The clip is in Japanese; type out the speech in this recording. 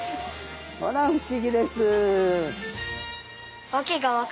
ほら不思議です！